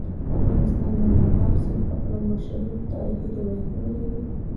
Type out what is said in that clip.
افغانستان د مورغاب سیند په اړه مشهور تاریخی روایتونه لري.